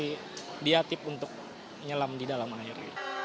jadi dia tip untuk menyelam di dalam air